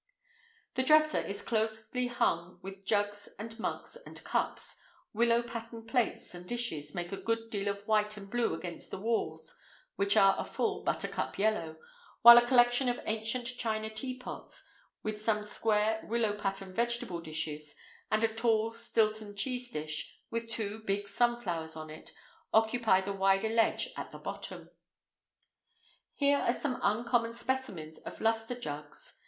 The dresser is closely hung with jugs and mugs and cups, willow pattern plates and dishes make a good deal of white and blue against the walls, which are a full buttercup yellow, while a collection of ancient china teapots, with some square willow pattern vegetable dishes and a tall Stilton cheese dish with two big sunflowers on it, occupy the wider ledge at the bottom. Here are some uncommon specimens of lustre jugs.